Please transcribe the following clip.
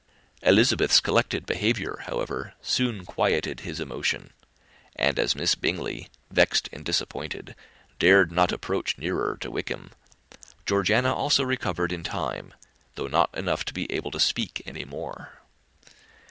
Elizabeth's collected behaviour, however, soon quieted his emotion; and as Miss Bingley, vexed and disappointed, dared not approach nearer to Wickham, Georgiana also recovered in time, though not enough to be able to speak any more.